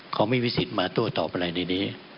เขาไม่มีสิทธิ์มาโตตอบอะไร